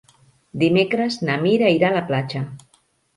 Dimecres na Mira irà a la platja.